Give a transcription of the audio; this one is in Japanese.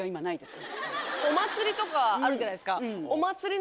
お祭りとかあるじゃないですか。